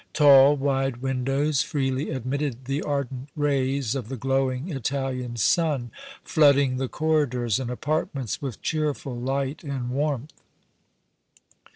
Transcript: Tall, wide windows freely admitted the ardent rays of the glowing Italian sun, flooding the corridors and apartments with cheerful light and warmth.